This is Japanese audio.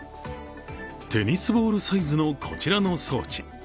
テニスボールサイズのこちらの装置。